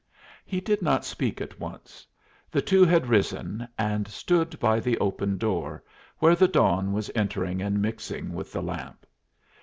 He did not speak at once. The two had risen, and stood by the open door, where the dawn was entering and mixing with the lamp.